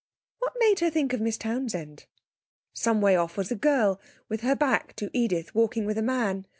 What made her think of Miss Townsend? Some way off was a girl, with her back to Edith, walking with a man.